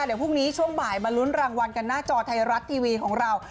เดี๋ยวพรุ่งนี้ช่วงบ่ายมาลุ้นรางวัลกันหน้าจอไทยรัฐทีวีของเรา